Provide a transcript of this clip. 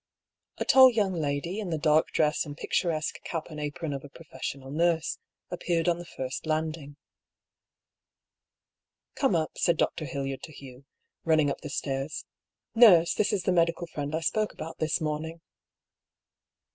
" A tall young lady, in the dark dress and picturesque cap and apron of a professional nurse, appeared on the first landing. " Come up," said Dr. Hildyard to Hugh, running up the stairs. " Nurse, this is the medical friend I spoke about this morning."